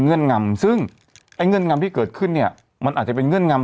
เงื่องำซึ่งไอ้เงื่อนงำที่เกิดขึ้นเนี่ยมันอาจจะเป็นเงื่อนงำ